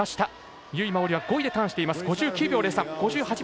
由井真緒里は５位でターンしています。